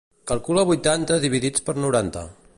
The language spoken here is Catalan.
Calcula vuitanta dividits per noranta.